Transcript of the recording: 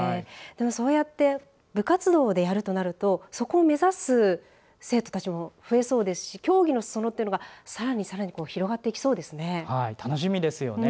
でもそうやって部活動でやるとなるとそこを目指す生徒たちも増えそうですし、競技の裾野っていうのがさらに広がっていきそうですね。